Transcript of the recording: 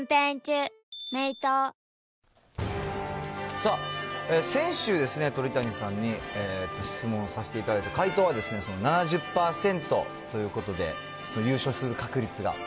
さあ、先週ですね、鳥谷さんに質問させていただいた回答は、７０％ということで、優勝する確率は。